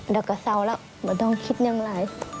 เดี๋ยวก็เศร้าแล้วมาต้องคิดอย่างไร